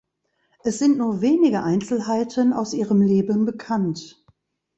Es sind nur wenige Einzelheiten aus ihrem Leben bekannt.